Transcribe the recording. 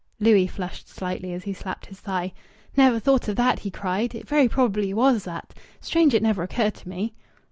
Louis flushed slightly as he slapped his thigh. "Never thought of that!" he cried. "It very probably was that. Strange it never occurred to me!"